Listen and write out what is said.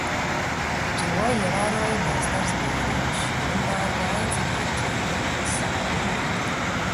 To ievēroja meistars Bīriņš un bargi aicināja Džeku savā birojā.